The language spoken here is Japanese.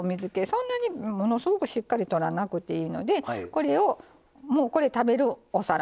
そんなにものすごくしっかりとらなくていいのでこれをもうこれ食べるお皿ね。